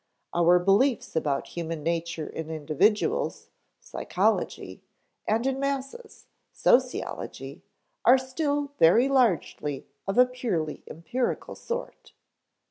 Our beliefs about human nature in individuals (psychology) and in masses (sociology) are still very largely of a purely empirical sort.